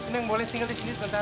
neng boleh tinggal di sini sebentar